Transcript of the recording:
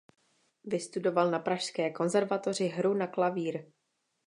Vystudoval na pražské konzervatoři hru na klavír.